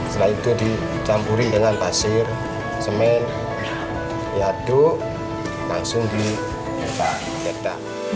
setelah itu dicampuri dengan pasir semen yaduk langsung dijemur